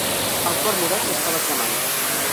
El cor morat s'estava cremant.